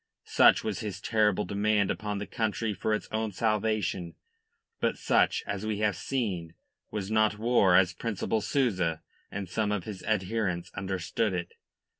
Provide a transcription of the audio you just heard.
Such was his terrible demand upon the country for its own salvation. But such, as we have seen, was not war as Principal Souza and some of his adherents understood it.